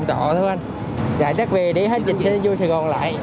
chạy chắc về đi hết dịch xe vô sài gòn lại